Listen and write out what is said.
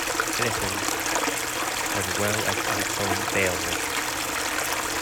Eddison as well as the epic poem "Beowulf".